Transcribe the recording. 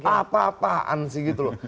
apa apaan sih gitu loh